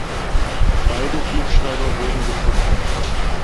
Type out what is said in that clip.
Beide Flugschreiber wurden gefunden.